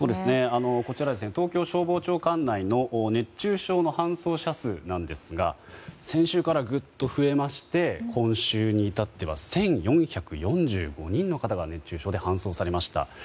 東京消防庁管内の熱中症の搬送者数なんですが先週からぐっと増えまして今週に至っては１４４５人の方が熱中症で搬送されました。